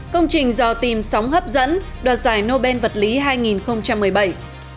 công trình do tìm sóng hấp dẫn đoạt giải nobel vật lý hai nghìn một mươi bảy